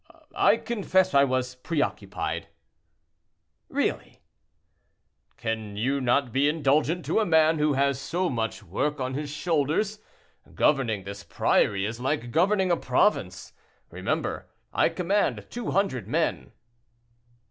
I confess I was preoccupied." "Really!" "Can you not be indulgent to a man who has so much work on his shoulders? Governing this priory is like governing a province: remember, I command two hundred men."